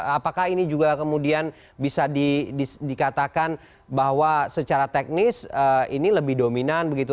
apakah ini juga kemudian bisa dikatakan bahwa secara teknis ini lebih dominan begitu